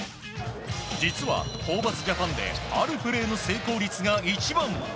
実はホーバスジャパンであるプレーの成功率が１番。